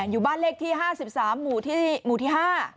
อยู่บ้านเลขที่๕๓หมู่ที่๕